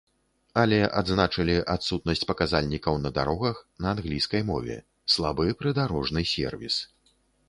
Але адзначылі адсутнасць паказальнікаў на дарогах на англійскай мове, слабы прыдарожны сервіс.